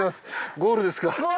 ゴールですか？